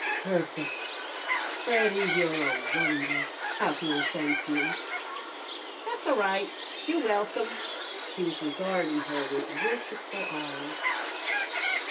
"Perfect! Freddy, you're a wonder. How can I thank you?" "Tha's a'right. You're welcome." He was regarding her with worshipful eyes.